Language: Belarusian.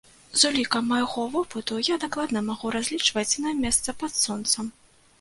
З улікам майго вопыту я дакладна магу разлічваць на месца пад сонцам!